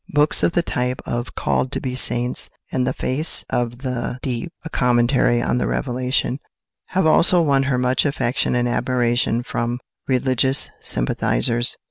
Books of the type of "Called to be Saints" and "The Face of the Deep: A Commentary on the Revelation," have also won her much affection and admiration from religious sympathisers.